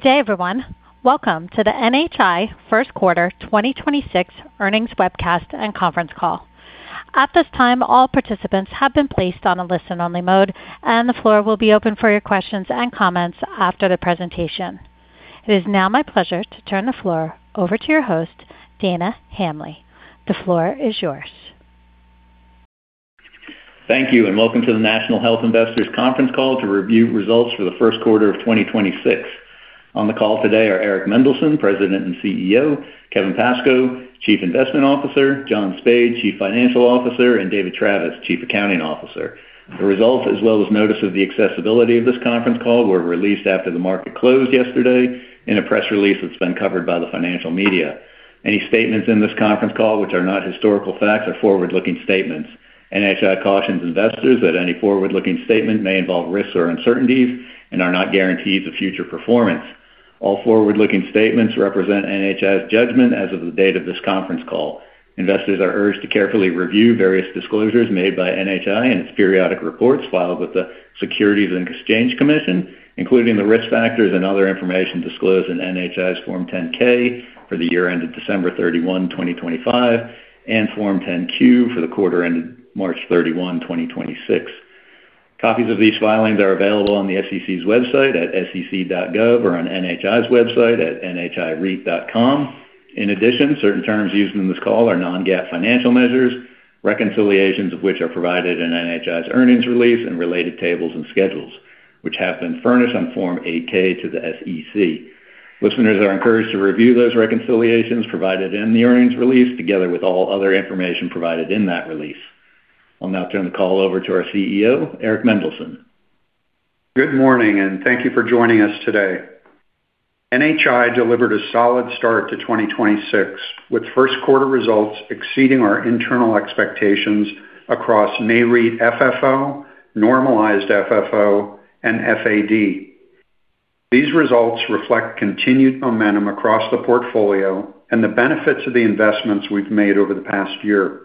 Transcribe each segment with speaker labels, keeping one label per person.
Speaker 1: Good day everyone. Welcome to the NHI first quarter 2026 earnings webcast and conference call. At this time, all participants have been placed on a listen only mode, and the floor will be open for your questions and comments after the presentation. It is now my pleasure to turn the floor over to your host, Dana Hambly. The floor is yours.
Speaker 2: Thank you and welcome to the National Health Investors conference call to review results for the 1st quarter of 2026. On the call today are Eric Mendelsohn, President and CEO, Kevin Pascoe, Chief Investment Officer, John Spaid, Chief Financial Officer, and David Travis, Chief Accounting Officer. The results, as well as notice of the accessibility of this conference call, were released after the market closed yesterday in a press release that's been covered by the financial media. Any statements in this conference call which are not historical facts are forward-looking statements. NHI cautions investors that any forward-looking statement may involve risks or uncertainties and are not guarantees of future performance. All forward-looking statements represent NHI's judgment as of the date of this conference call. Investors are urged to carefully review various disclosures made by NHI in its periodic reports filed with the Securities and Exchange Commission, including the risk factors and other information disclosed in NHI's Form 10-K for the year ended December 31, 2025, and Form 10-Q for the quarter ended March 31, 2026. Copies of these filings are available on the SEC's website at sec.gov or on NHI's website at nhireit.com. In addition, certain terms used in this call are non-GAAP financial measures, reconciliations of which are provided in NHI's earnings release and related tables and schedules, which have been furnished on Form 8-K to the SEC. Listeners are encouraged to review those reconciliations provided in the earnings release together with all other information provided in that release. I'll now turn the call over to our CEO, Eric Mendelsohn.
Speaker 3: Good morning, and thank you for joining us today. NHI delivered a solid start to 2026, with first quarter results exceeding our internal expectations across NAREIT FFO, Normalized FFO, and FAD. These results reflect continued momentum across the portfolio and the benefits of the investments we've made over the past year,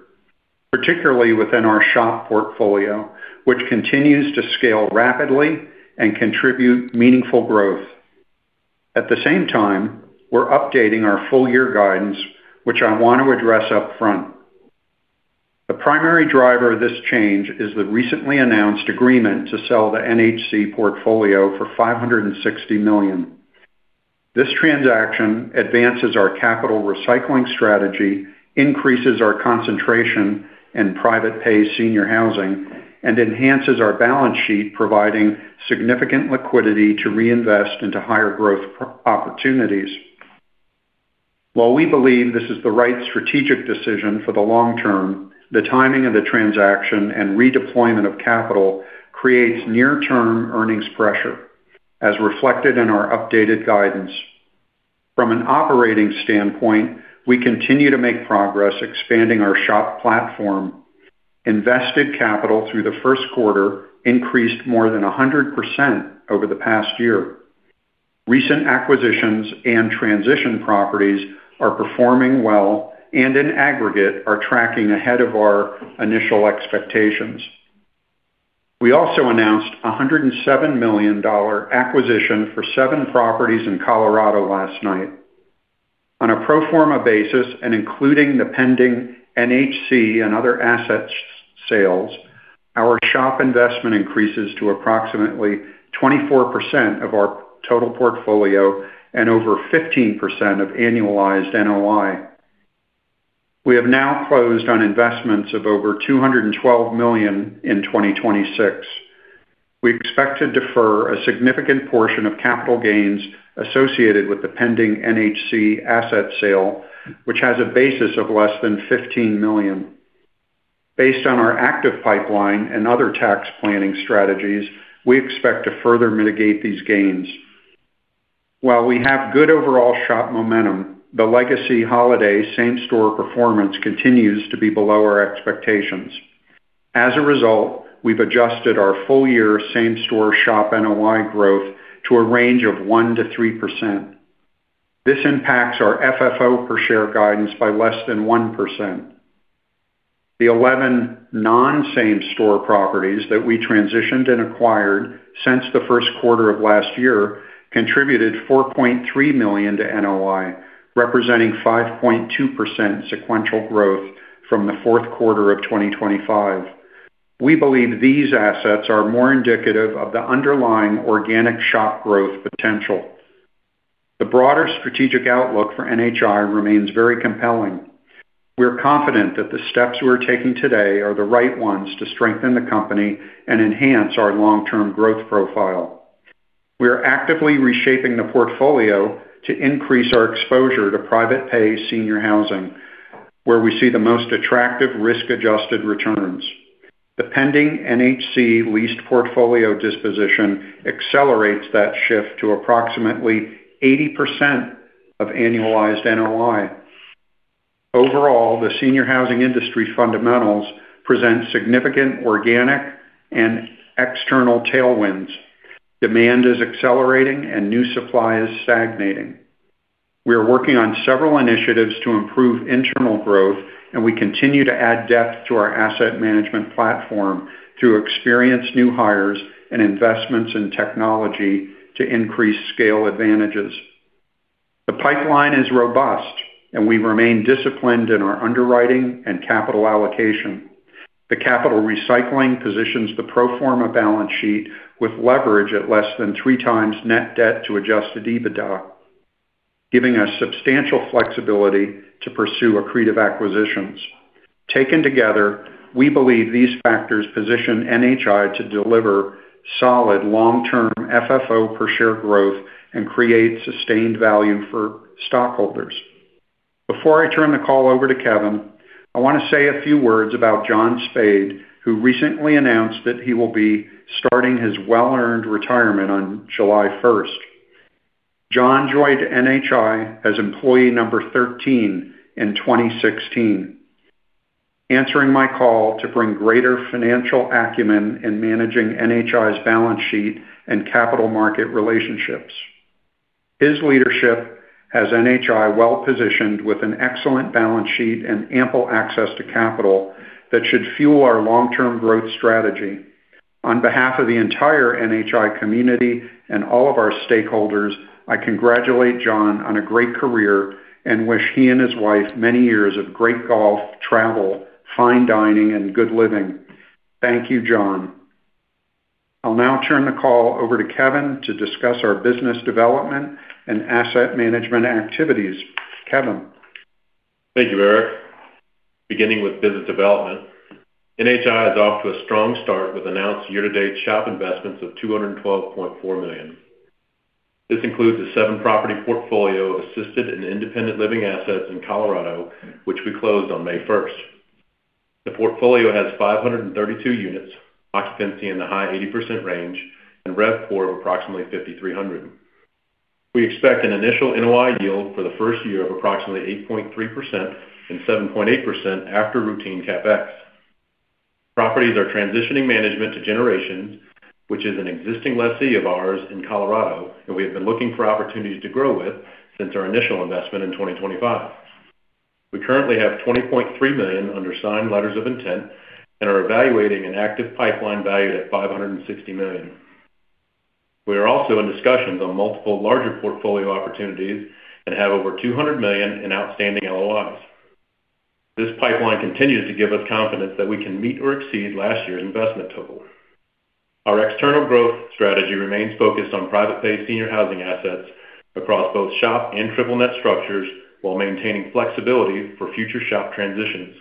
Speaker 3: particularly within our SHOP portfolio, which continues to scale rapidly and contribute meaningful growth. At the same time, we're updating our full year guidance, which I want to address upfront. The primary driver of this change is the recently announced agreement to sell the NHC portfolio for $560 million. This transaction advances our capital recycling strategy, increases our concentration in private pay senior housing, and enhances our balance sheet, providing significant liquidity to reinvest into higher growth opportunities. While we believe this is the right strategic decision for the long term, the timing of the transaction and redeployment of capital creates near term earnings pressure, as reflected in our updated guidance. From an operating standpoint, we continue to make progress expanding our SHOP platform. Invested capital through the first quarter increased more than 100% over the past year. Recent acquisitions and transition properties are performing well and in aggregate are tracking ahead of our initial expectations. We also announced a $107 million acquisition for seven properties in Colorado last night. On a pro forma basis and including the pending NHC and other assets sales, our SHOP investment increases to approximately 24% of our total portfolio and over 15% of annualized NOI. We have now closed on investments of over $212 million in 2026. We expect to defer a significant portion of capital gains associated with the pending NHC asset sale, which has a basis of less than $15 million. Based on our active pipeline and other tax planning strategies, we expect to further mitigate these gains. While we have good overall SHOP momentum, the legacy Holiday same store performance continues to be below our expectations. As a result, we've adjusted our full year same store SHOP NOI growth to a range of 1%-3%. This impacts our FFO per share guidance by less than 1%. The 11 non-same store properties that we transitioned and acquired since the first quarter of last year contributed $4.3 million to NOI, representing 5.2% sequential growth from the fourth quarter of 2025. We believe these assets are more indicative of the underlying organic SHOP growth potential. The broader strategic outlook for NHI remains very compelling. We're confident that the steps we're taking today are the right ones to strengthen the company and enhance our long-term growth profile. We are actively reshaping the portfolio to increase our exposure to private pay senior housing, where we see the most attractive risk-adjusted returns. The pending NHC leased portfolio disposition accelerates that shift to approximately 80% of annualized NOI. Overall, the senior housing industry fundamentals present significant organic and external tailwinds. Demand is accelerating and new supply is stagnating. We are working on several initiatives to improve internal growth, and we continue to add depth to our asset management platform through experienced new hires and investments in technology to increase scale advantages. The pipeline is robust, and we remain disciplined in our underwriting and capital allocation. The capital recycling positions the pro forma balance sheet with leverage at less than 3x net debt to adjusted EBITDA, giving us substantial flexibility to pursue accretive acquisitions. Taken together, we believe these factors position NHI to deliver solid long-term FFO per share growth and create sustained value for stockholders. Before I turn the call over to Kevin, I wanna say a few words about John Spaid, who recently announced that he will be starting his well-earned retirement on July 1st. John joined NHI as employee number 13 in 2016, answering my call to bring greater financial acumen in managing NHI's balance sheet and capital market relationships. His leadership has NHI well-positioned with an excellent balance sheet and ample access to capital that should fuel our long-term growth strategy. On behalf of the entire NHI community and all of our stakeholders, I congratulate John on a great career and wish he and his wife many years of great golf, travel, fine dining, and good living. Thank you, John. I'll now turn the call over to Kevin to discuss our business development and asset management activities. Kevin?
Speaker 4: Thank you, Eric. Beginning with business development, NHI is off to a strong start with announced year-to-date SHOP investments of $212.4 million. This includes a seven-property portfolio of assisted and independent living assets in Colorado, which we closed on May 1st. The portfolio has 532 units, occupancy in the high 80% range, and RevPOR of approximately $5,300. We expect an initial NOI yield for the first year of approximately 8.3% and 7.8% after routine CapEx. Properties are transitioning management to Generations, which is an existing lessee of ours in Colorado, who we have been looking for opportunities to grow with since our initial investment in 2025. We currently have $20.3 million under signed letters of intent and are evaluating an active pipeline valued at $560 million. We are also in discussions on multiple larger portfolio opportunities and have over $200 million in outstanding LOIs. This pipeline continues to give us confidence that we can meet or exceed last year's investment total. Our external growth strategy remains focused on private pay senior housing assets across both SHOP and triple net structures while maintaining flexibility for future SHOP transitions.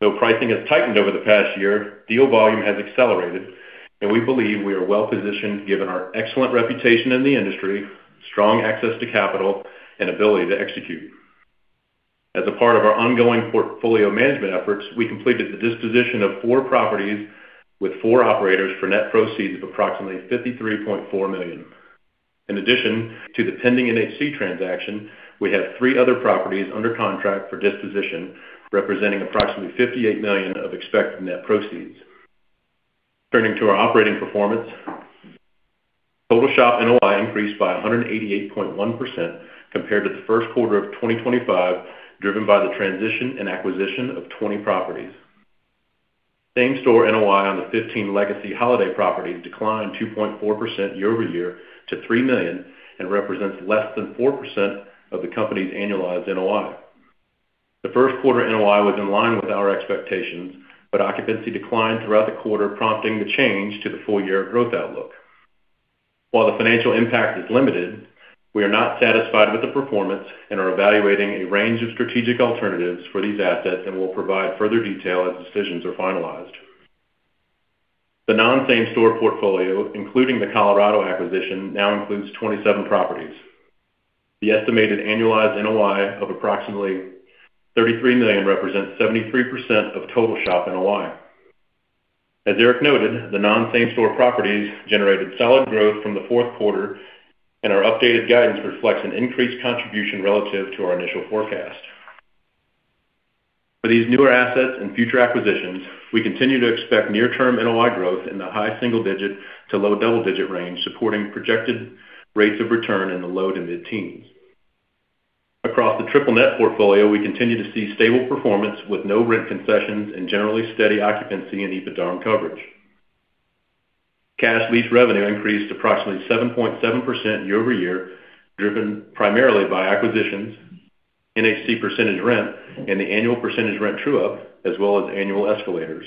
Speaker 4: Though pricing has tightened over the past year, deal volume has accelerated, and we believe we are well-positioned given our excellent reputation in the industry, strong access to capital, and ability to execute. As a part of our ongoing portfolio management efforts, we completed the disposition of four properties with four operators for net proceeds of approximately $53.4 million. In addition to the pending NHC transaction, we have three other properties under contract for disposition, representing approximately $58 million of expected net proceeds. Turning to our operating performance, total SHOP NOI increased by 188.1% compared to the first quarter of 2025, driven by the transition and acquisition of 20 properties. Same-store NOI on the 15 legacy Holiday properties declined 2.4% year-over-year to $3 million and represents less than 4% of the company's annualized NOI. The first quarter NOI was in line with our expectations. Occupancy declined throughout the quarter, prompting the change to the full year growth outlook. While the financial impact is limited, we are not satisfied with the performance and are evaluating a range of strategic alternatives for these assets and will provide further detail as decisions are finalized. The non-same store portfolio, including the Colorado acquisition, now includes 27 properties. The estimated annualized NOI of approximately $33 million represents 73% of total SHOP NOI. As Eric noted, the non-same store properties generated solid growth from the fourth quarter, and our updated guidance reflects an increased contribution relative to our initial forecast. For these newer assets and future acquisitions, we continue to expect near-term NOI growth in the high single-digit to low double-digit range, supporting projected rates of return in the low to mid-teens. Across the triple net portfolio, we continue to see stable performance with no rent concessions and generally steady occupancy and EBITDA coverage. Cash lease revenue increased approximately 7.7% year-over-year, driven primarily by acquisitions, NHC percentage rent, and the annual percentage rent true-up, as well as annual escalators.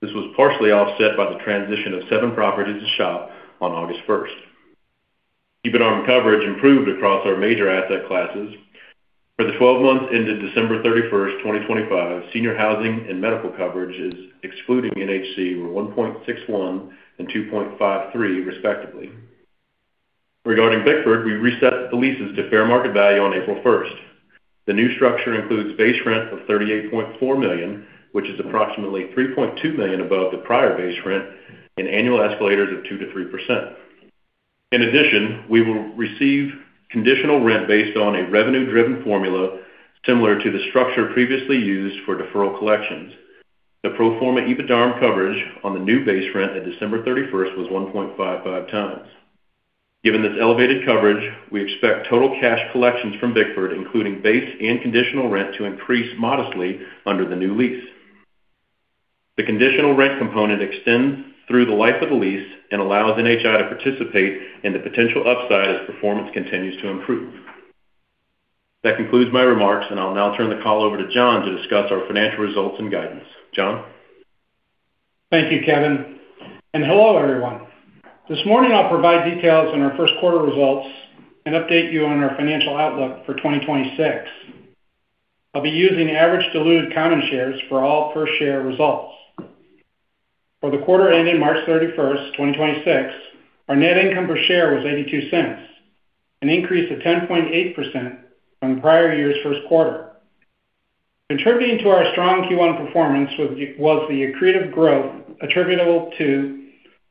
Speaker 4: This was partially offset by the transition of seven properties to SHOP on August 1st. EBITDA coverage improved across our major asset classes. For the 12 months ended December 31st, 2025, senior housing and medical coverage excluding NHC were 1.61 and 2.53 respectively. Regarding Bickford, we reset the leases to fair market value on April 1st. The new structure includes base rent of $38.4 million, which is approximately $3.2 million above the prior base rent, and annual escalators of 2%-3%. In addition, we will receive conditional rent based on a revenue-driven formula similar to the structure previously used for deferral collections. The pro forma EBITDARM coverage on the new base rent at December 31st was 1.55x. Given this elevated coverage, we expect total cash collections from Bickford, including base and conditional rent, to increase modestly under the new lease. The conditional rent component extends through the life of the lease and allows NHI to participate in the potential upside as performance continues to improve. That concludes my remarks, and I'll now turn the call over to John to discuss our financial results and guidance. John?
Speaker 5: Thank you, Kevin, and hello, everyone. This morning, I'll provide details on our first quarter results and update you on our financial outlook for 2026. I'll be using average diluted common shares for all per-share results. For the quarter ending March 31st, 2026, our net income per share was $0.82, an increase of 10.8% from the prior year's first quarter. Contributing to our strong Q1 performance was the accretive growth attributable to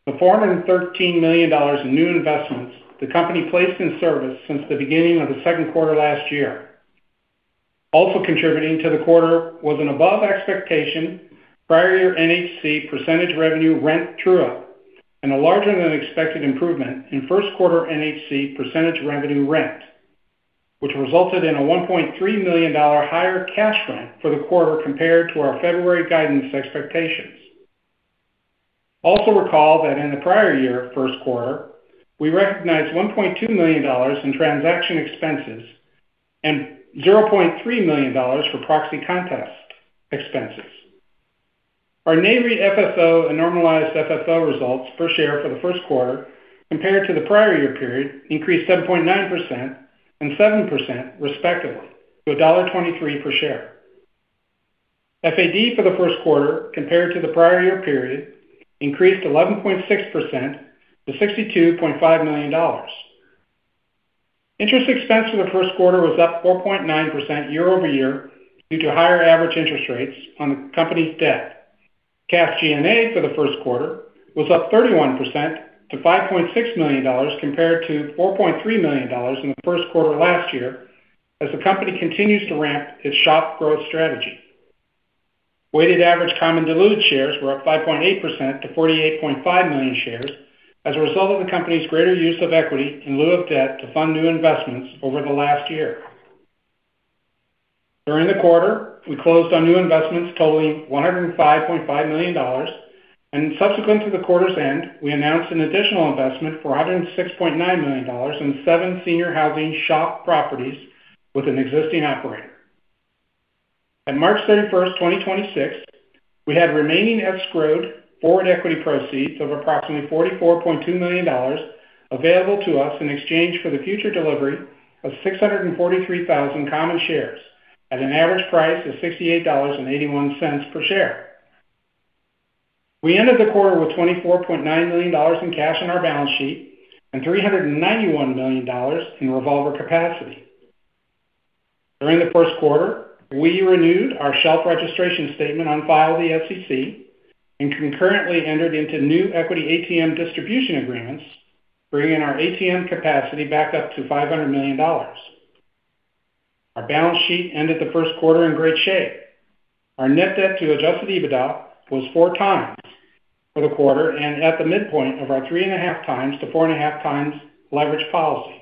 Speaker 5: the $413 million in new investments the company placed in service since the beginning of the second quarter last year. Also contributing to the quarter was an above-expectation prior year NHC percentage revenue rent true-up and a larger-than-expected improvement in first quarter NHC percentage revenue rent, which resulted in a $1.3 million higher cash rent for the quarter compared to our February guidance expectations. Also recall that in the prior year first quarter, we recognized $1.2 million in transaction expenses and $0.3 million for proxy contest expenses. Our NAREIT FFO and Normalized FFO results per share for the first quarter compared to the prior year period increased 7.9% and 7% respectively to $1.23 per share. FAD for the first quarter compared to the prior year period increased 11.6% to $62.5 million. Interest expense for the first quarter was up 4.9% year-over-year due to higher average interest rates on the company's debt. Cash G&A for the first quarter was up 31% to $5.6 million compared to $4.3 million in the first quarter last year as the company continues to ramp its SHOP growth strategy. Weighted average common diluted shares were up 5.8% to 48.5 million shares as a result of the company's greater use of equity in lieu of debt to fund new investments over the last year. During the quarter, we closed on new investments totaling $105.5 million, subsequent to the quarter's end, we announced an additional investment for $106.9 million in seven senior housing SHOP properties with an existing operator. At March 31st, 2026, we had remaining escrowed forward equity proceeds of approximately $44.2 million available to us in exchange for the future delivery of 643,000 common shares at an average price of $68.81 per share. We ended the quarter with $24.9 million in cash on our balance sheet and $391 million in revolver capacity. During the first quarter, we renewed our shelf registration statement on file with the SEC and concurrently entered into new equity ATM distribution agreements, bringing our ATM capacity back up to $500 million. Our balance sheet ended the first quarter in great shape. Our net debt to adjusted EBITDA was 4x for the quarter and at the midpoint of our 3.5x-4.5x leverage policy.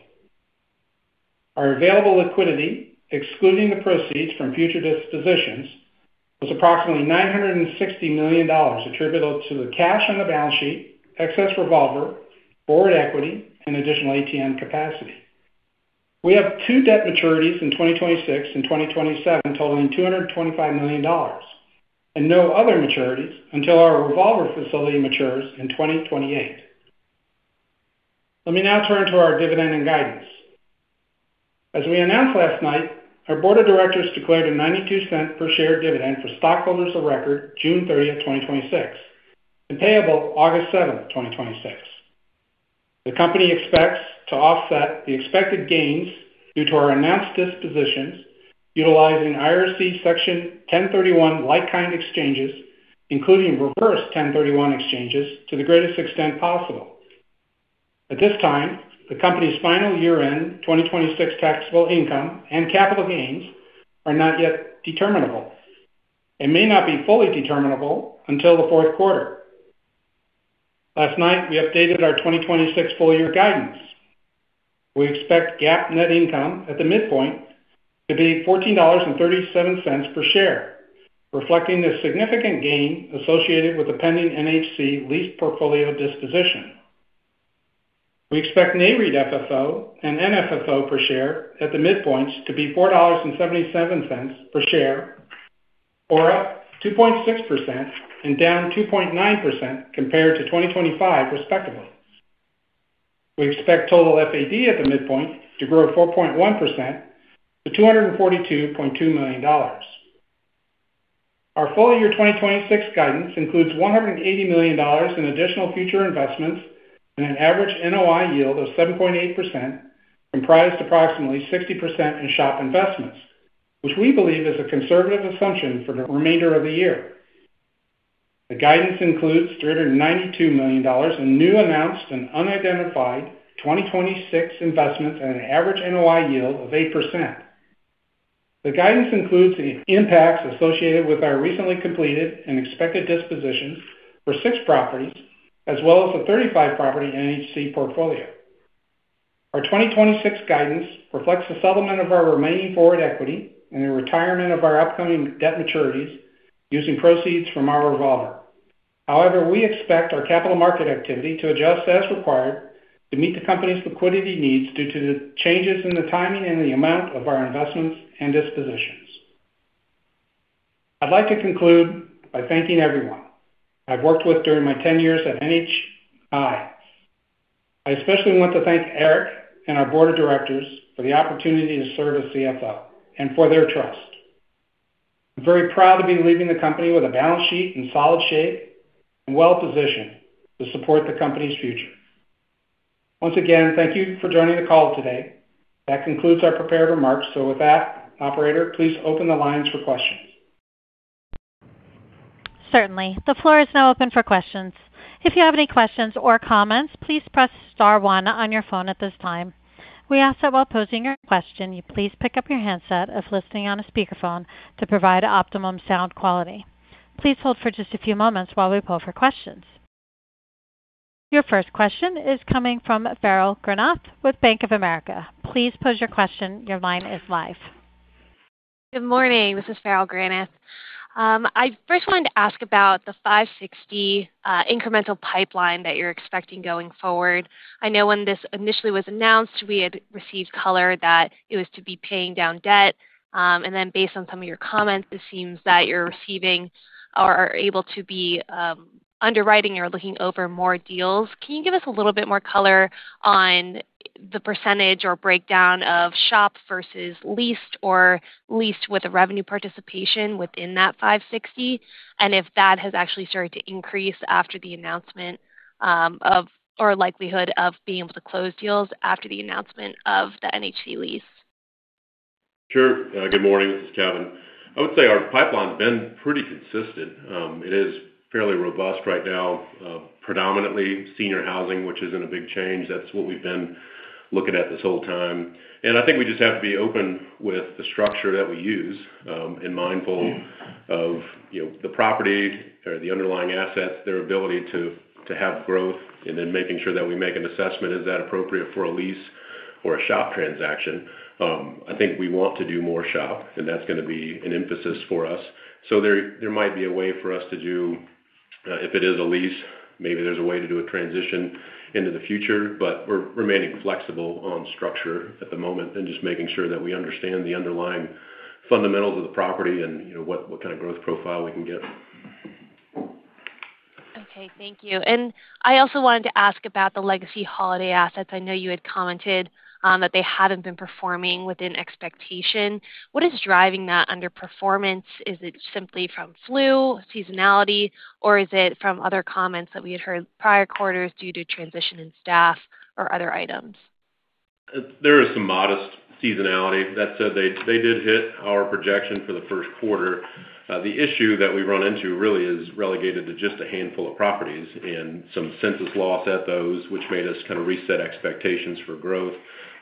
Speaker 5: Our available liquidity, excluding the proceeds from future dispositions, was approximately $960 million attributable to the cash on the balance sheet, excess revolver, forward equity, and additional ATM capacity. We have two debt maturities in 2026 and 2027 totaling $225 million and no other maturities until our revolver facility matures in 2028. Let me now turn to our dividend and guidance. As we announced last night, our board of directors declared a $0.92 per share dividend for stockholders of record June 30th, 2026, and payable August 7th, 2026. The company expects to offset the expected gains due to our announced dispositions utilizing IRC Section 1031 like-kind exchanges, including reverse 1031 exchanges, to the greatest extent possible. At this time, the company's final year-end 2026 taxable income and capital gains are not yet determinable and may not be fully determinable until the fourth quarter. Last night, we updated our 2026 full-year guidance. We expect GAAP net income at the midpoint to be $14.37 per share, reflecting the significant gain associated with the pending NHC lease portfolio disposition. We expect NAREIT FFO and NFFO per share at the midpoints to be $4.77 per share, or up 2.6% and down 2.9% compared to 2025 respectively. We expect total FAD at the midpoint to grow 4.1% to $242.2 million. Our full-year 2026 guidance includes $180 million in additional future investments and an average NOI yield of 7.8%, comprised approximately 60% in SHOP investments, which we believe is a conservative assumption for the remainder of the year. The guidance includes $392 million in new announced and unidentified 2026 investments at an average NOI yield of 8%. The guidance includes the impacts associated with our recently completed and expected dispositions for six properties, as well as the 35 property NHC portfolio. Our 2026 guidance reflects the settlement of our remaining forward equity and the retirement of our upcoming debt maturities using proceeds from our revolver. However, we expect our capital market activity to adjust as required to meet the company's liquidity needs due to the changes in the timing and the amount of our investments and dispositions. I'd like to conclude by thanking everyone I've worked with during my 10 years at NHI. I especially want to thank Eric and our board of directors for the opportunity to serve as CFO and for their trust. I'm very proud to be leaving the company with a balance sheet in solid shape and well-positioned to support the company's future. Once again, thank you for joining the call today. That concludes our prepared remarks. With that, operator, please open the lines for questions.
Speaker 1: Certainly. The floor is now open for questions. If you have any questions or comments, please press star one on your phone at this time. We ask that while posing your question, you please pick up your handset if listening on a speakerphone to provide optimum sound quality. Please hold for just a few moments while we poll for questions. Your first question is coming from Farrell Granath with Bank of America. Please pose your question. Your line is live.
Speaker 6: Good morning. This is Farrell Granath. I first wanted to ask about the $560 incremental pipeline that you're expecting going forward. I know when this initially was announced, we had received color that it was to be paying down debt. Then based on some of your comments, it seems that you're receiving or are able to be underwriting or looking over more deals. Can you give us a little bit more color on the percentage or breakdown of SHOP versus leased or leased with a revenue participation within that $560? If that has actually started to increase after the announcement of or likelihood of being able to close deals after the announcement of the NHC lease.
Speaker 4: Sure. Good morning. This is Kevin. I would say our pipeline's been pretty consistent. It is fairly robust right now, predominantly senior housing, which isn't a big change. That's what we've been looking at this whole time. I think we just have to be open with the structure that we use, and mindful of, you know, the property or the underlying assets, their ability to have growth, and then making sure that we make an assessment, is that appropriate for a lease or a SHOP transaction? I think we want to do more SHOP, and that's gonna be an emphasis for us. There might be a way for us to do, if it is a lease, maybe there's a way to do a transition into the future, but we're remaining flexible on structure at the moment and just making sure that we understand the underlying fundamentals of the property and, you know, what kind of growth profile we can get.
Speaker 6: Okay. Thank you. I also wanted to ask about the legacy Holiday assets. I know you had commented, that they haven't been performing within expectation. What is driving that underperformance? Is it simply from flu seasonality, or is it from other comments that we had heard prior quarters due to transition in staff or other items?
Speaker 4: There is some modest seasonality. That said, they did hit our projection for the first quarter. The issue that we've run into really is relegated to just a handful of properties and some census loss at those, which made us kind of reset expectations for growth.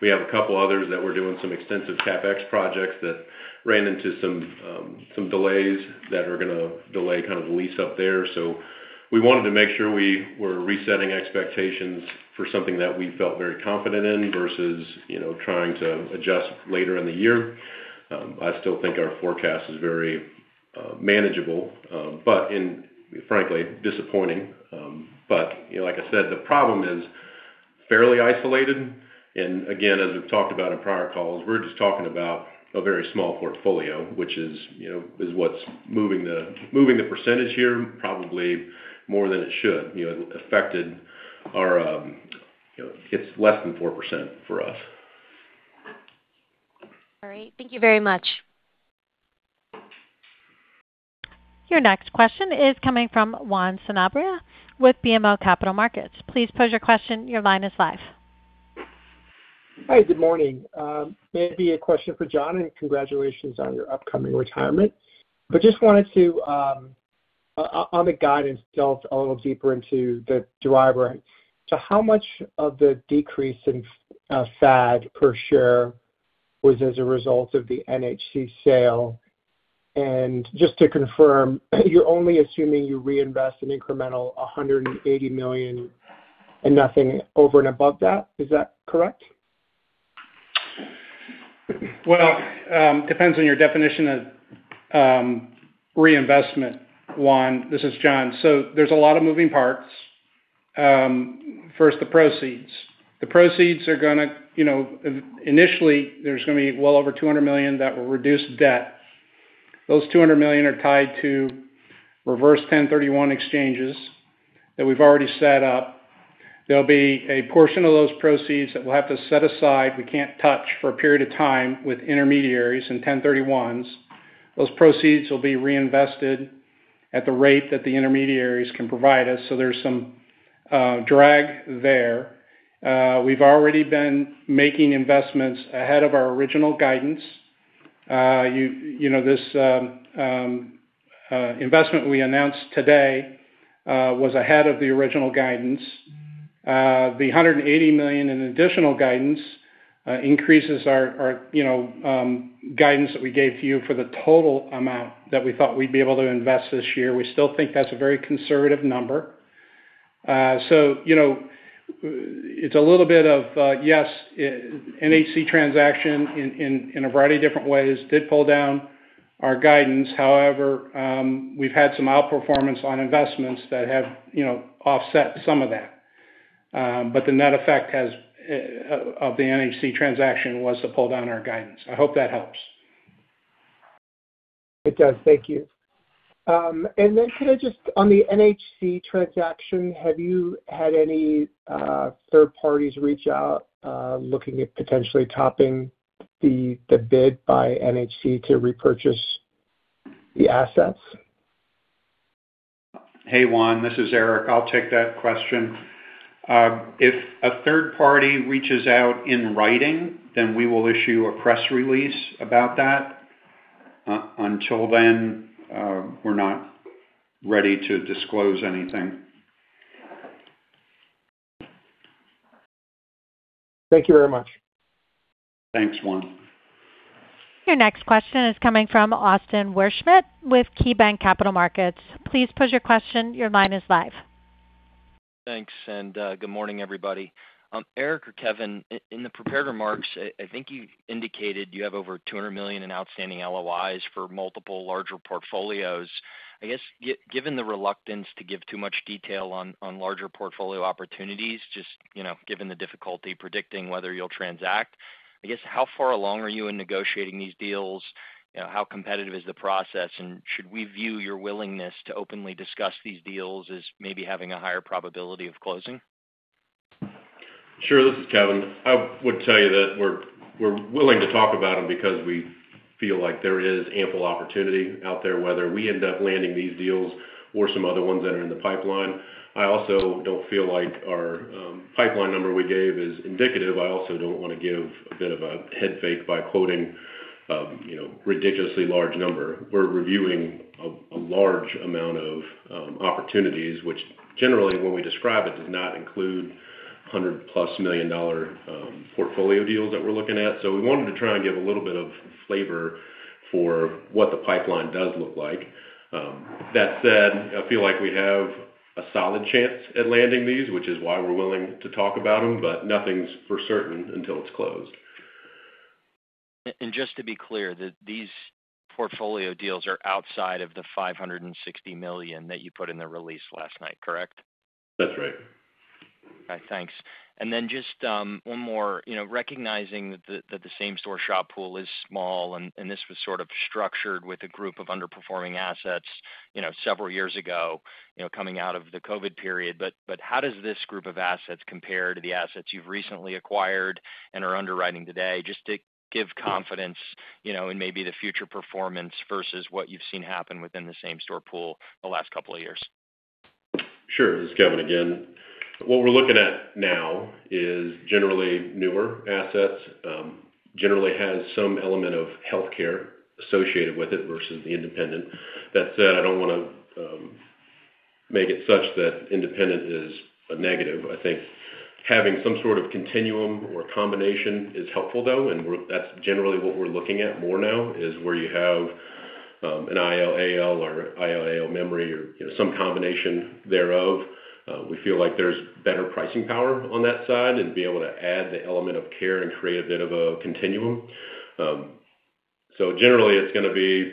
Speaker 4: We have a couple others that we're doing some extensive CapEx projects that ran into some delays that are gonna delay kind of the lease up there. We wanted to make sure we were resetting expectations for something that we felt very confident in versus, you know, trying to adjust later in the year. I still think our forecast is very manageable, but frankly disappointing. You know, like I said, the problem is fairly isolated. Again, as we've talked about in prior calls, we're just talking about a very small portfolio, which is, you know, is what's moving the percentage here probably more than it should. You know, it affected our, you know, it's less than 4% for us.
Speaker 6: All right. Thank you very much.
Speaker 1: Your next question is coming from Juan Sanabria with BMO Capital Markets. Please pose your question. Your line is live.
Speaker 7: Hi, good morning. Maybe a question for John, and congratulations on your upcoming retirement. Just wanted to on the guidance, delve a little deeper into the driver. How much of the decrease in FAD per share was as a result of the NHC sale? Just to confirm, you're only assuming you reinvest an incremental $180 million and nothing over and above that. Is that correct?
Speaker 5: Well, depends on your definition of reinvestment, Juan. This is John. There's a lot of moving parts. First, the proceeds. The proceeds are gonna you know, initially there's gonna be well over $200 million that will reduce debt. Those $200 million are tied to reverse 1031 exchanges that we've already set up. There'll be a portion of those proceeds that we'll have to set aside, we can't touch for a period of time with intermediaries and 1031s. Those proceeds will be reinvested at the rate that the intermediaries can provide us. There's some drag there. We've already been making investments ahead of our original guidance. You know, this investment we announced today was ahead of the original guidance. The $180 million in additional guidance increases our, you know, guidance that we gave to you for the total amount that we thought we'd be able to invest this year. We still think that's a very conservative number. You know, it's a little bit of, yes, NHC transaction in a variety of different ways did pull down our guidance. However, we've had some outperformance on investments that have, you know, offset some of that. The net effect has of the NHC transaction was to pull down our guidance. I hope that helps.
Speaker 7: It does. Thank you. Can I just on the NHC transaction, have you had any third parties reach out looking at potentially topping the bid by NHC to repurchase the assets?
Speaker 3: Hey, Juan, this is Eric. I'll take that question. If a third party reaches out in writing, we will issue a press release about that. Until then, we're not ready to disclose anything.
Speaker 7: Thank you very much.
Speaker 3: Thanks, Juan.
Speaker 1: Your next question is coming from Austin Wurschmidt with KeyBanc Capital Markets. Please pose your question. Your line is live.
Speaker 8: Thanks. Good morning, everybody. Eric or Kevin, in the prepared remarks, I think you indicated you have over $200 million in outstanding LOIs for multiple larger portfolios. I guess given the reluctance to give too much detail on larger portfolio opportunities, just, you know, given the difficulty predicting whether you'll transact, I guess, how far along are you in negotiating these deals? You know, how competitive is the process? Should we view your willingness to openly discuss these deals as maybe having a higher probability of closing?
Speaker 4: Sure. This is Kevin. I would tell you that we're willing to talk about them because we feel like there is ample opportunity out there, whether we end up landing these deals or some other ones that are in the pipeline. I also don't feel like our pipeline number we gave is indicative. I also don't wanna give a bit of a head fake by quoting, you know, ridiculously large number. We're reviewing a large amount of opportunities, which generally when we describe it, does not include $100+ million portfolio deals that we're looking at. We wanted to try and give a little bit of flavor for what the pipeline does look like. That said, I feel like we have a solid chance at landing these, which is why we're willing to talk about them, but nothing's for certain until it's closed.
Speaker 8: Just to be clear, these portfolio deals are outside of the $560 million that you put in the release last night, correct?
Speaker 4: That's right.
Speaker 8: All right. Thanks. Just one more. You know, recognizing that the same-store SHOP pool is small, and this was sort of structured with a group of underperforming assets, you know, several years ago, you know, coming out of the COVID period, but how does this group of assets compare to the assets you've recently acquired and are underwriting today, just to give confidence, you know, in maybe the future performance versus what you've seen happen within the same-store pool the last couple of years?
Speaker 4: Sure. This is Kevin again. What we're looking at now is generally newer assets, generally has some element of healthcare associated with it versus the independent. That said, I don't want to make it such that independent is a negative. I think having some sort of continuum or combination is helpful though, and that's generally what we're looking at more now, is where you have an IL, AL or ILAL memory or, you know, some combination thereof. We feel like there's better pricing power on that side and be able to add the element of care and create a bit of a continuum. Generally, it's going to be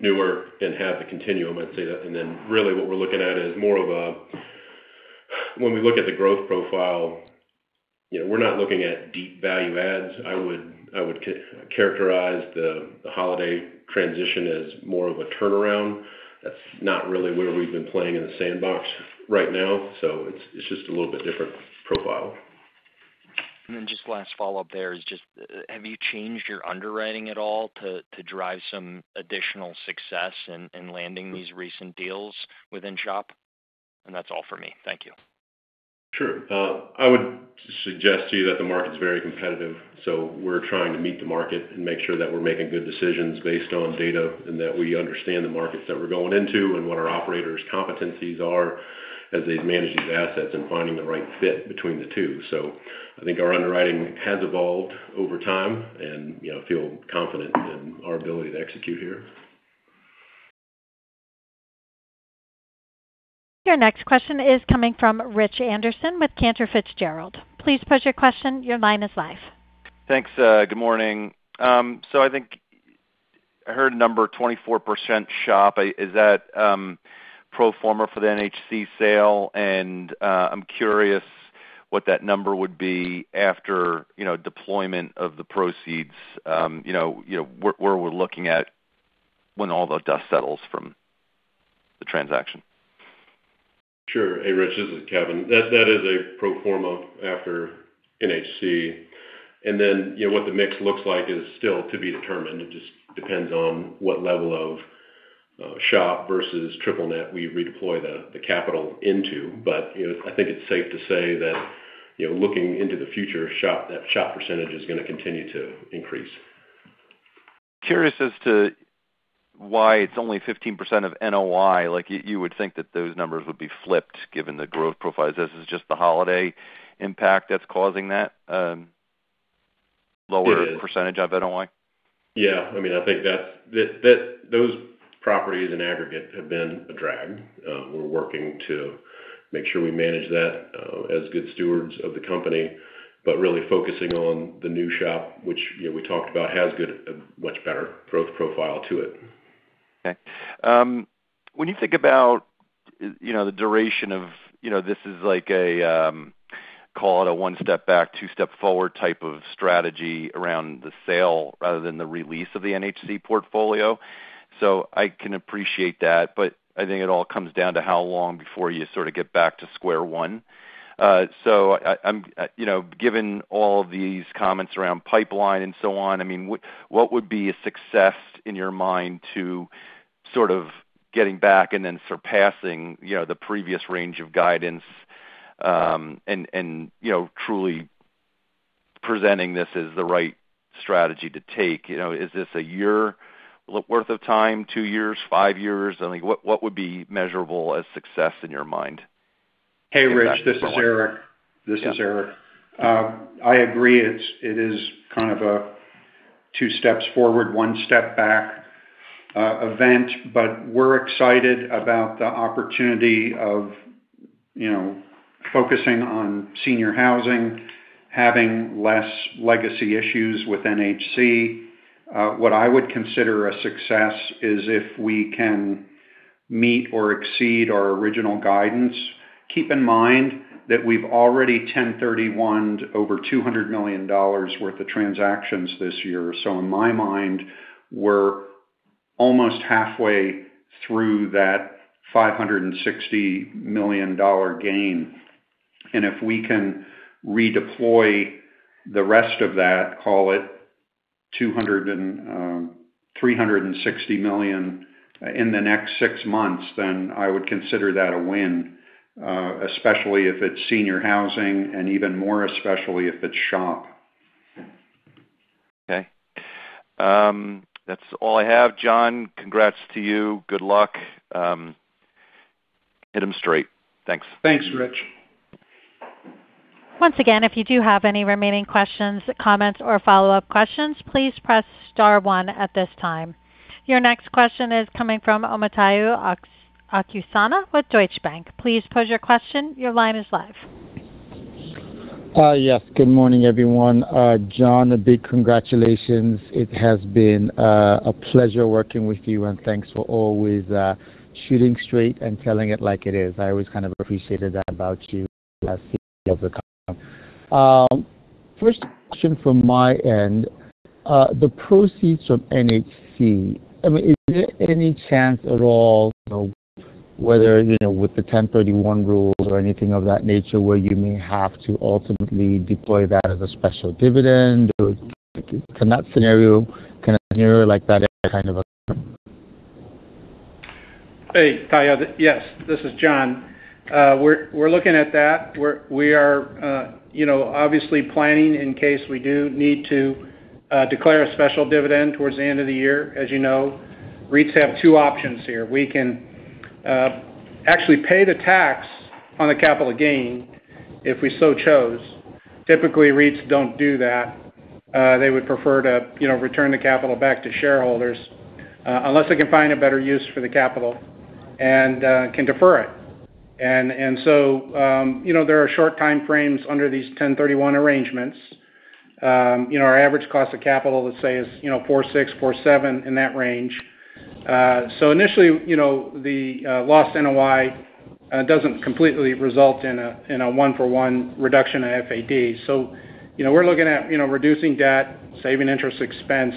Speaker 4: newer and have the continuum, I'd say that. Really what we're looking at is When we look at the growth profile, you know, we're not looking at deep value adds. I would characterize the Holiday transition as more of a turnaround. That's not really where we've been playing in the sandbox right now. It's just a little bit different profile.
Speaker 8: Just last follow-up there is just, have you changed your underwriting at all to drive some additional success in landing these recent deals within SHOP? That's all for me. Thank you.
Speaker 4: Sure. I would suggest to you that the market's very competitive, so we're trying to meet the market and make sure that we're making good decisions based on data and that we understand the markets that we're going into and what our operators' competencies are as they manage these assets and finding the right fit between the two. I think our underwriting has evolved over time and, you know, feel confident in our ability to execute here.
Speaker 1: Your next question is coming from Rich Anderson with Cantor Fitzgerald. Please pose your question. Your line is live.
Speaker 9: Thanks. Good morning. I think I heard a number, 24% SHOP. Is that pro forma for the NHC sale? I'm curious what that number would be after, you know, deployment of the proceeds, where we're looking at when all the dust settles from the transaction.
Speaker 4: Sure. Hey, Rich, this is Kevin. That is a pro forma after NHC. You know, what the mix looks like is still to be determined. It just depends on what level of SHOP versus triple net we redeploy the capital into. You know, I think it's safe to say that, you know, looking into the future, that SHOP percentage is going to continue to increase.
Speaker 9: Curious as to why it's only 15% of NOI. Like, you would think that those numbers would be flipped given the growth profiles. Is this just the Holiday impact that's causing that?
Speaker 4: It is
Speaker 9: percentage of NOI?
Speaker 4: Yeah. I mean, I think that's those properties in aggregate have been a drag. We're working to make sure we manage that as good stewards of the company, really focusing on the new SHOP, which, you know, we talked about has a much better growth profile to it.
Speaker 9: Okay. When you think about, you know, the duration of, you know, this is like a, call it a 1 step back, 2 step forward type of strategy around the sale rather than the release of the NHC portfolio. I can appreciate that, but I think it all comes down to how long before you sort of get back to square one. I'm, you know, given all these comments around pipeline and so on, I mean, what would be a success in your mind to sort of getting back and then surpassing, you know, the previous range of guidance, and, you know, truly presenting this as the right strategy to take? You know, is this a year worth of time, 2-years, 5-years? I mean, what would be measurable as success in your mind?
Speaker 3: Hey, Rich, this is Eric. I agree, it is kind of a 2 steps forward, 1 step back event. We're excited about the opportunity of, you know, focusing on senior housing, having less legacy issues with NHC. What I would consider a success is if we can meet or exceed our original guidance. Keep in mind that we've already 1031-ed over $200 million worth of transactions this year. In my mind, we're almost halfway through that $560 million gain. If we can redeploy the rest of that, call it $360 million in the next six months, I would consider that a win, especially if it's senior housing and even more especially if it's SHOP.
Speaker 9: Okay. That's all I have. John, congrats to you. Good luck. Hit them straight. Thanks.
Speaker 5: Thanks, Rich.
Speaker 1: Once again, if you do have any remaining questions, comments or follow-up questions, please press star one at this time. Your next question is coming from Omotayo Okusanya with Deutsche Bank.
Speaker 10: Yes. Good morning, everyone. John, a big congratulations. It has been a pleasure working with you, and thanks for always shooting straight and telling it like it is. I always kind of appreciated that about you as CEO of the company. First question from my end, the proceeds from NHC, is there any chance at all, whether with the 1031 exchanges rules or anything of that nature, where you may have to ultimately deploy that as a special dividend? Or can a scenario like that ever kind of occur?
Speaker 5: Hey, Tayo. Yes, this is John. We're looking at that. We are, you know, obviously planning in case we do need to declare a special dividend towards the end of the year. As you know, REITs have two options here. We can actually pay the tax on the capital gain if we so chose. Typically, REITs don't do that. They would prefer to, you know, return the capital back to shareholders unless they can find a better use for the capital and can defer it. You know, there are short time frames under these 1031 exchanges arrangements. You know, our average cost of capital, let's say, is, you know, 4.6, 4.7, in that range. Initially, you know, the lost NOI doesn't completely result in a one-for-one reduction in FAD. You know, we're looking at, you know, reducing debt, saving interest expense,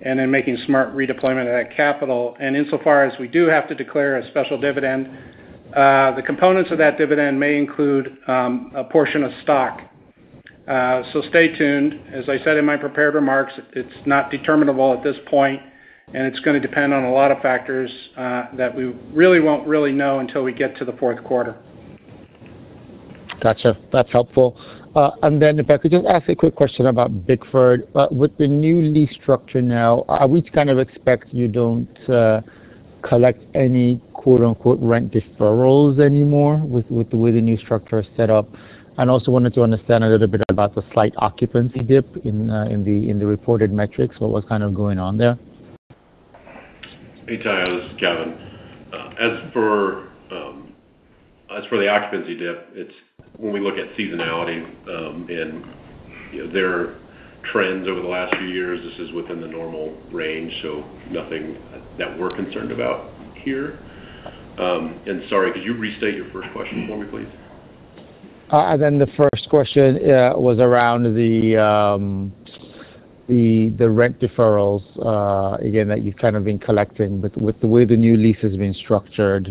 Speaker 5: and then making smart redeployment of that capital. Insofar as we do have to declare a special dividend, the components of that dividend may include a portion of stock. Stay tuned. As I said in my prepared remarks, it's not determinable at this point, and it's gonna depend on a lot of factors that we really won't really know until we get to the fourth quarter.
Speaker 10: Gotcha. That's helpful. Then if I could just ask a quick question about Bickford. With the new lease structure now, are we to kind of expect you don't collect any quote-unquote, rent deferrals anymore with the way the new structure is set up? Also wanted to understand a little bit about the slight occupancy dip in the reported metrics. What was kind of going on there?
Speaker 4: Hey, Tayo, this is Kevin. As for the occupancy dip, it's when we look at seasonality, and, you know, their trends over the last few years, this is within the normal range, so nothing that we're concerned about here. Sorry, could you restate your first question for me, please?
Speaker 10: The first question was around the rent deferrals again, that you've kind of been collecting with the way the new lease has been structured,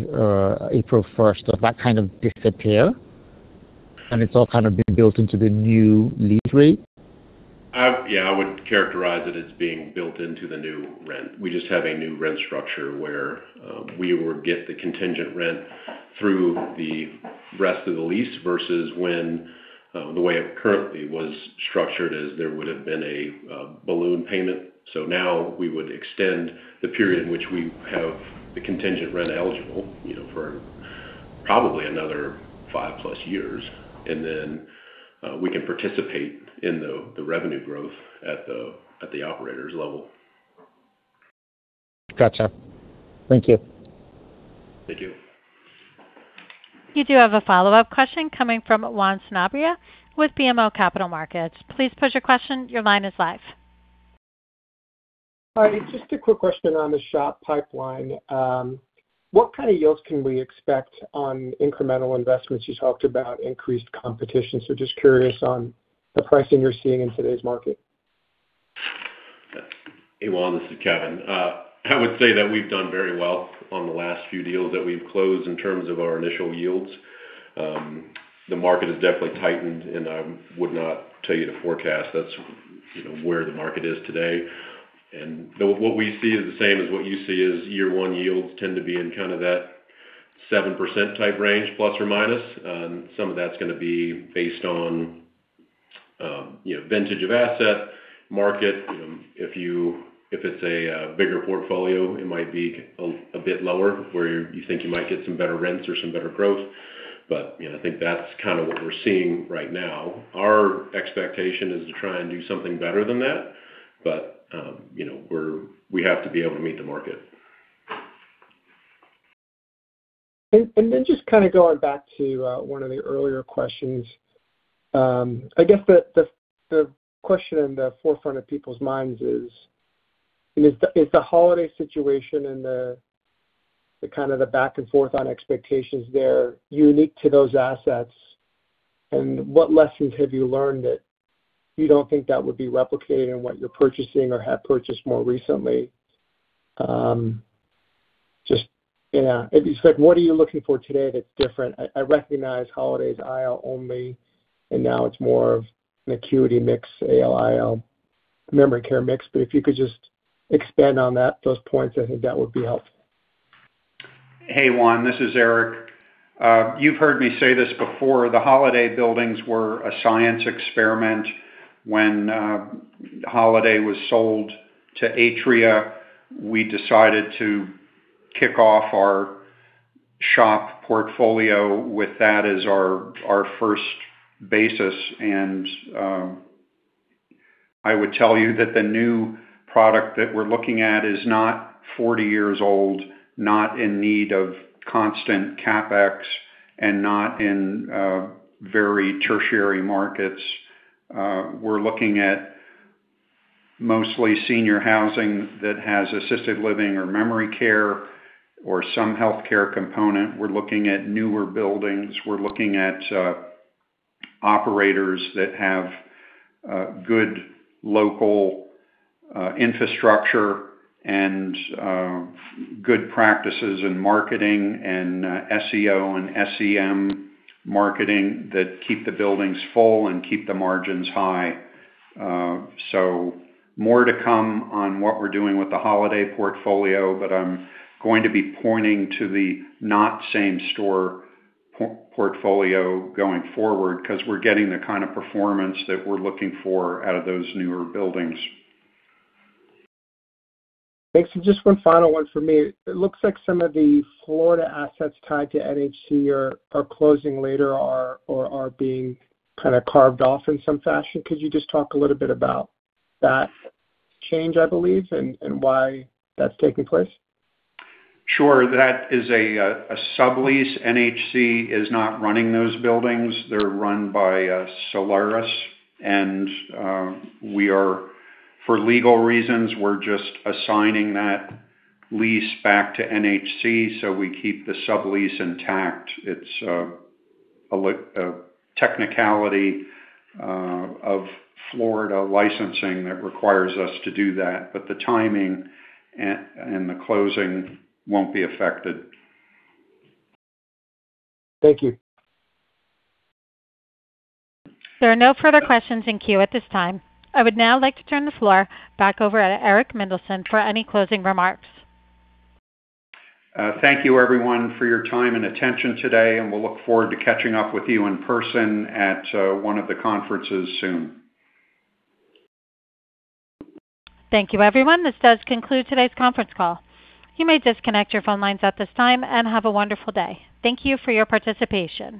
Speaker 10: April 1st. Does that kind of disappear? It's all kind of been built into the new lease rate?
Speaker 4: Yeah, I would characterize it as being built into the new rent. We just have a new rent structure where we would get the contingent rent through the rest of the lease versus when The way it currently was structured is there would've been a balloon payment. Now we would extend the period in which we have the contingent rent eligible, you know, for probably another 5+ years, and then we can participate in the revenue growth at the operator's level.
Speaker 10: Gotcha. Thank you.
Speaker 4: Thank you.
Speaker 1: You do have a follow-up question coming from Juan Sanabria with BMO Capital Markets. Please pose your question. Your line is live.
Speaker 7: Hi. Just a quick question on the SHOP pipeline. What kind of yields can we expect on incremental investments? You talked about increased competition, so just curious on the pricing you're seeing in today's market.
Speaker 4: Hey, Juan. This is Kevin. I would say that we've done very well on the last few deals that we've closed in terms of our initial yields. The market has definitely tightened. I would not tell you to forecast. That's, you know, where the market is today. What we see is the same as what you see, is year one yields tend to be in kind of that 7% type range, plus or minus. Some of that's gonna be based on, you know, vintage of asset, market. You know, if it's a bigger portfolio, it might be a bit lower where you think you might get some better rents or some better growth. You know, I think that's kind of what we're seeing right now. Our expectation is to try and do something better than that. You know, we have to be able to meet the market.
Speaker 7: Then just kinda going back to one of the earlier questions. I guess the question in the forefront of people's minds is the Holiday situation and the kind of the back and forth on expectations there unique to those assets? What lessons have you learned that you don't think that would be replicated in what you're purchasing or have purchased more recently? Just yeah. If you said, what are you looking for today that's different? I recognize Holiday is IL only, and now it's more of an Acuity mix, AL, IL memory care mix. If you could just expand on that, those points, I think that would be helpful.
Speaker 3: Hey, Juan, this is Eric. You've heard me say this before, the Holiday buildings were a science experiment when Holiday was sold to Atria. We decided to kick off our SHOP portfolio with that as our first basis. I would tell you that the new product that we're looking at is not 40 years old, not in need of constant CapEx, and not in very tertiary markets. We're looking at mostly senior housing that has assisted living or memory care or some healthcare component. We're looking at newer buildings. We're looking at operators that have good local infrastructure and good practices in marketing and SEO and SEM marketing that keep the buildings full and keep the margins high. More to come on what we're doing with the Holiday portfolio, I'm going to be pointing to the not same store portfolio going forward, 'cause we're getting the kind of performance that we're looking for out of those newer buildings.
Speaker 7: Thanks. Just one final one for me. It looks like some of the Florida assets tied to NHC are closing later or are being kinda carved off in some fashion. Could you just talk a little bit about that change, I believe, and why that's taking place?
Speaker 3: Sure. That is a sublease. NHC is not running those buildings. They're run by Solaris. For legal reasons, we're just assigning that lease back to NHC so we keep the sublease intact. It's a technicality of Florida licensing that requires us to do that, but the timing and the closing won't be affected.
Speaker 7: Thank you.
Speaker 1: There are no further questions in queue at this time. I would now like to turn the floor back over to Eric Mendelsohn for any closing remarks.
Speaker 3: Thank you everyone for your time and attention today, and we'll look forward to catching up with you in person at one of the conferences soon.
Speaker 1: Thank you, everyone. This does conclude today's conference call. You may disconnect your phone lines at this time, and have a wonderful day. Thank you for your participation.